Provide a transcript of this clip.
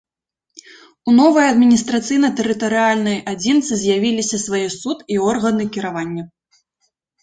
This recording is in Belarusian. У новай адміністрацыйна-тэрытарыяльнай адзінцы з'явіліся свае суд і органы кіравання.